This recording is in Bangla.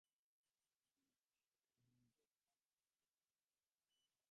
নক্ষত্ররায়ও রঘুপতির মুখের তেজে কতকটা সেইরকমই বঝিলেন।